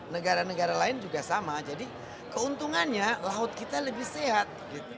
negara negara lain juga sama jadi keuntungannya laut kita lebih sehat